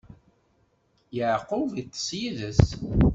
Yeɛqub iṭṭeṣ yid-s.